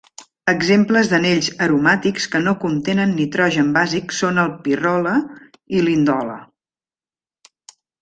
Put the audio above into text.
Exemples d'anells aromàtics que no contenen nitrogen bàsic són el pirrole i l'indole.